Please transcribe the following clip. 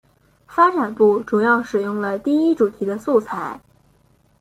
发展部主要使用了第一主题的素材。